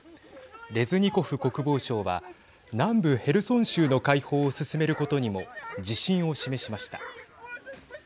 レズニコフ国防相は南部ヘルソン州の開放を進めることにも自信を示しました。